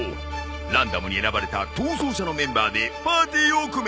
ランダムに選ばれた逃走者のメンバーでパーティーを組め。